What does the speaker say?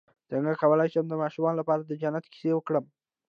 څنګه کولی شم د ماشومانو لپاره د جنت کیسه وکړم